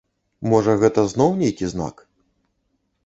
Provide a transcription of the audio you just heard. Можа, гэта зноў нейкі знак?